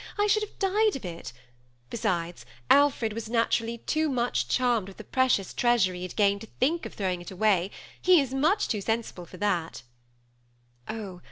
I should have died of it ; besides, Alfred was naturally too much charmed with the precious treasure he had gained to think of throwing it away, — he is much too sensible for that" ^^ Oh